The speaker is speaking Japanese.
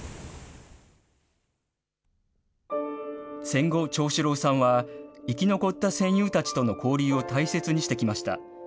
戦後、長四郎さんは生き残った戦友たちとの交流を大切にしてきました。